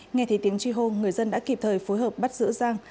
nghe thấy tiếng truy hô người dân đã kịp thời phối hợp bắt giữ giang